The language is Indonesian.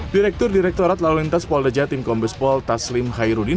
direktur direktorat lalu lintas poldeja tim kombespol taslim khairudin